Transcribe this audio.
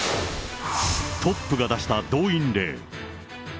トップが出した動員令。